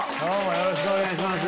よろしくお願いします。